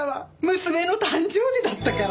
娘の誕生日だったから。